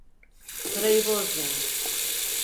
Sırayı bozmayın!